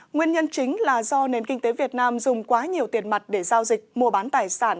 nguyên nhân chính là do nền kinh tế việt nam dùng quá nhiều tiền mặt để giao dịch mua bán tài sản